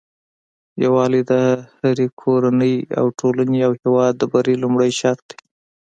يوالي د هري کور او ټولني او هيواد د بری لمړي شرط دي